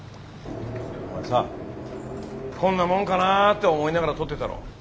お前さこんなもんかなあって思いながら撮ってたろ。